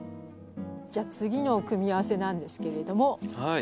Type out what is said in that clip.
じゃあ次の組み合わせなんですけれども。